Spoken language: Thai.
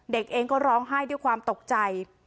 เด็กเองก็ร้องไห้ด้วยความตกใจ